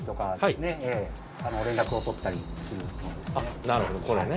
連絡を取ったりするものですね。